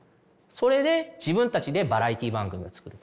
それで自分たちでバラエティー番組を作る。